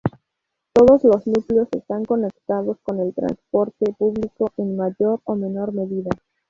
Todos los núcleos están conectados con el transporte público en mayor o menor medida.